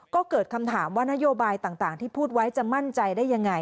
ก็เกิดคำถามว่านโยบายต่างที่พูดไว้จะมั่นใจได้ยังไง